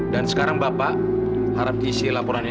dan ini bahaya sekali